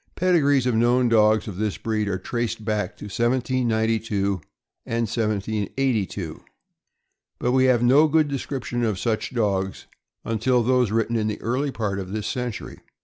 Pedigrees of known dogs of this breed are traced back to 1792 and 1782, but we have no good description of such dogs until those written in the early part of this century.